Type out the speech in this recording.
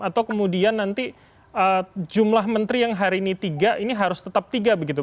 atau kemudian nanti jumlah menteri yang hari ini tiga ini harus tetap tiga begitu